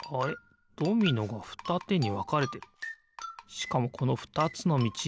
しかもこのふたつのみち